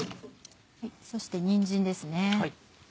そしてにんじんですね。